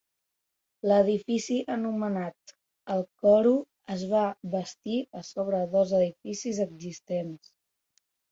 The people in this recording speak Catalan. L'edifici anomenat el Coro es va bastir a sobre dos edificis existents.